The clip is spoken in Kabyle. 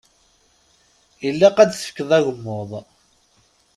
Llaq ad d-tefkeḍ agmuḍ.